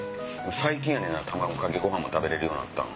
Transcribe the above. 最近やねんな卵かけご飯が食べれるようになったの。